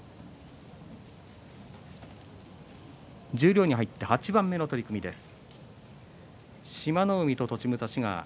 十両に入って８番目の取組です。